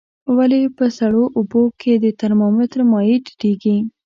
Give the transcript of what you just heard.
ولې په سړو اوبو کې د ترمامتر مایع ټیټیږي؟